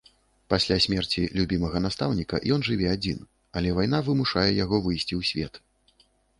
Пасля смерці любімага настаўніка ён жыве адзін, але вайна вымушае яго выйсці ў свет.